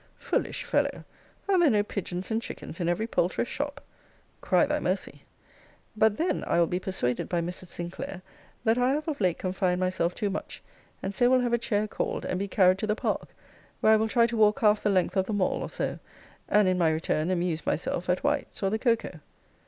Foolish fellow! Are there no pigeons and chickens in every poulterer's shop? Cry thy mercy. But then I will be persuaded by Mrs. Sinclair, that I have of late confined myself too much; and so will have a chair called, and be carried to the Park; where I will try to walk half the length of the Mall, or so; and in my return, amuse myself at White's or the Cocoa.